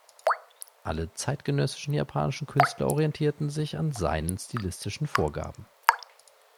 Alle zeitgenössischen japanischen Künstler orientierten sich an seinen stilistischen Vorgaben.